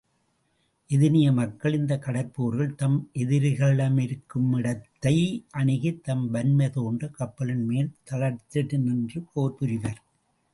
எதினிய மக்கள் இந்தக் கடற்போரில் தம் எதிரிகளிருக்குமிடத்தை அணுகித் தம் வன்மை தோன்ற கப்பலின் மேல்தட்டினின்றே போர் புரிவர்.